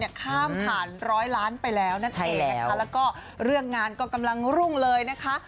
ได้ข้ามผ่านร้อยล้านไปแล้วนะใช่แล้วแล้วก็เรื่องงานก็กำลังหรุงเลยนะคะ